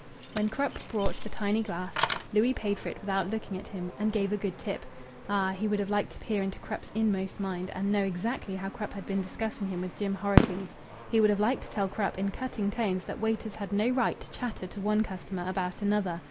When Krupp brought the tiny glass, Louis paid for it without looking at him, and gave a good tip. Ah! He would have liked to peer into Krupp's inmost mind and know exactly how Krupp had been discussing him with Jim Horrocleave. He would have liked to tell Krupp in cutting tones that waiters had no right to chatter to one customer about another.